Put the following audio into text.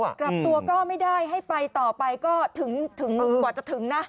กลับตัวก็ไม่ได้ให้ไปต่อไปก็ถึงกว่าจะถึงนะ